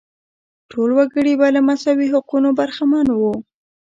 ټول وګړي به له مساوي حقونو برخمن وو.